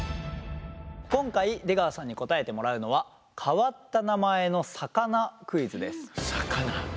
今回出川さんに答えてもらうのは変わった名前の魚クイズです。